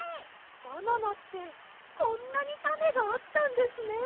バナナってこんなにたねがあったんですね。